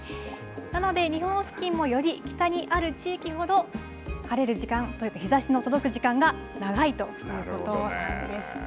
なので、日本付近もより北にある地域ほど晴れる時間、日ざしの届く時間が長いということなんです。